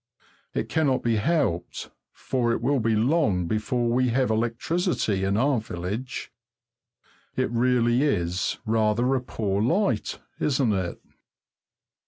It cannot be helped, for it will be long before we have electricity in our village. It really is rather a poor light, isn't it?